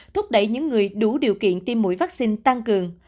thúc đẩy những người đủ điều kiện tiêm mũi vaccine tăng cường